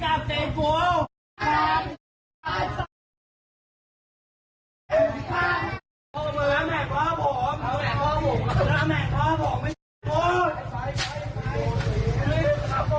หัวดูลาย